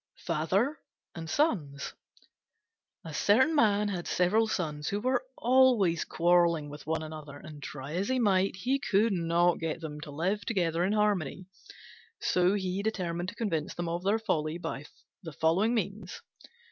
FATHER AND SONS A certain man had several Sons who were always quarrelling with one another, and, try as he might, he could not get them to live together in harmony. So he determined to convince them of their folly by the following means.